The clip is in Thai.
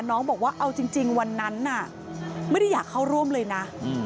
น้องบอกว่าเอาจริงวันนั้นน่ะไม่ได้อยากเข้าร่วมเลยนะ